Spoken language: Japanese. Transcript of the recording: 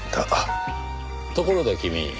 ところで君